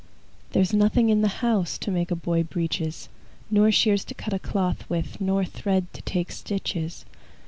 "There's nothing in the house To make a boy breeches, Nor shears to cut a cloth with Nor thread to take stitches.